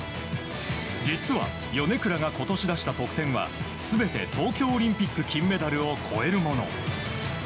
実は、米倉が今年出した得点は全て東京オリンピック金メダルを超えるもの。